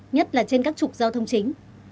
nhất là trên các trục giao thông chính